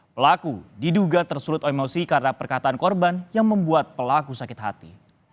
pelaku diduga tersulut emosi karena perkataan korban yang membuat pelaku sakit hati